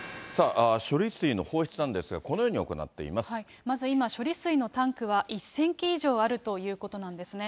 処理水の放出なんですが、このよまず今、処理水のタンクは１０００基以上あるということなんですね。